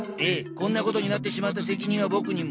こんなことになってしまった責任は僕にも。